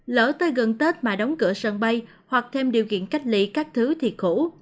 lỡ tới gần tết mà đóng cửa sân bay hoặc thêm điều kiện cách lị các thứ thì khổ